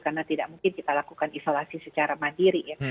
karena tidak mungkin kita lakukan isolasi secara mandiri ya